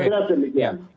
kira kira seperti itu